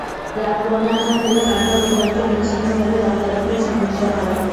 রাত পৌনে আটটা থেকে নয়টা পর্যন্ত বিচ্ছিন্নভাবে দফায় দফায় সংঘর্ষ হয়।